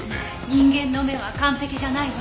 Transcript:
人間の目は完璧じゃないわ。